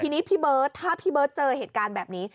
ทีนี้พี่เบิร์ตถ้าพี่เบิร์ตเจอเหตุการณ์แบบนี้